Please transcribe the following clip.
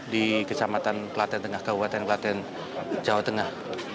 dan pelatihan tengah kekuatan pelatihan jawa tengah